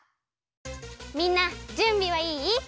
みんなじゅんびはいい？